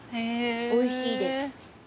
おいしいです。